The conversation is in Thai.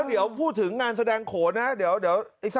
รถถึงพ่วงนี่นะ